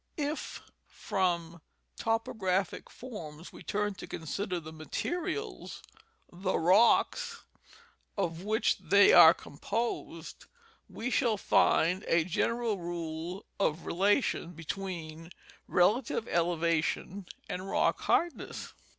If froili topographic forms we turn to consider the materials, the rocks, of which they are composed, we shall find a general rule of relation between relative elevation and rock hardness.